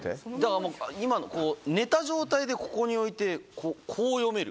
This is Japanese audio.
寝た状態でここに置いてこう読める。